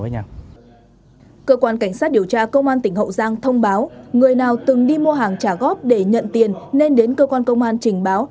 người nào từng đi mua hàng trả góp để nhận tiền nên đến cơ quan công an trình báo